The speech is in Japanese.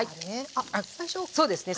あっそうですね